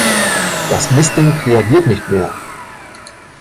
Das Mist-Ding reagiert nicht mehr.